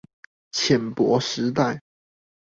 淺薄時代